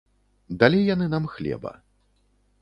Далі яны нам хлеба.